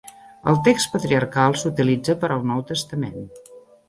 El Text Patriarcal s'utilitza per al Nou Testament.